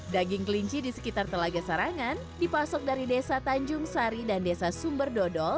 daging kelinci di sekitar telaga sarangan dipasok dari desa tanjung sari dan desa sumber dodol